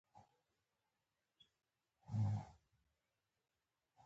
مالي مدیریت کې سواد اهمیت لري.